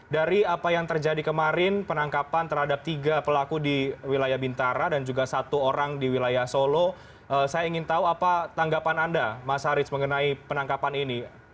dari apa yang terjadi kemarin penangkapan terhadap tiga pelaku di wilayah bintara dan juga satu orang di wilayah solo saya ingin tahu apa tanggapan anda mas haris mengenai penangkapan ini